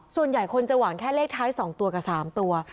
ส่วนใหญ่คนจะหวังแค่เลขท้าย๒ตัวกับ๓ตัว